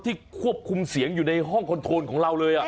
ควบคุมเสียงอยู่ในห้องคอนโทนของเราเลย